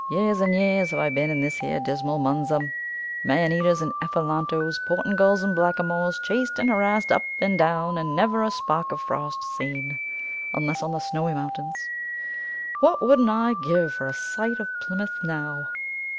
Years and years have I been in this here dismal Munza. Man eaters and Ephelantoes, Portingals and blackamoors, chased and harassed up and down, and never a spark of frost seen, unless on the Snowy Mountains. What wouldn't I give for a sight of Plymouth now!"